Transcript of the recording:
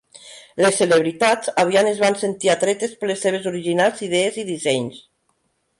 Les celebritats aviat es van sentir atretes per les seves originals idees i dissenys.